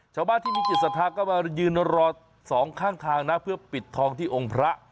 ชาวบ้านที่มีจิตศรัทธาก็มายืนรอสองข้างทางนะเพื่อปิดทองที่องค์พระ